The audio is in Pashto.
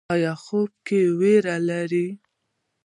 ایا خوب کې ویره لرئ؟